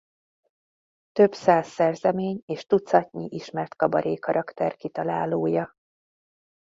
Több száz szerzemény és tucatnyi ismert kabaré karakter kitalálója.